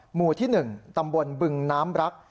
หมู่ที่๑ตำบลบึงน้ำรัก